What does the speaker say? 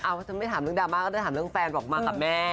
ถ้าฉันไม่ถามเรื่องดราม่าก็จะถามเรื่องแฟนบอกมากับแม่